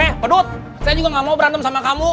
eh pedut saya juga nggak mau berantem sama kamu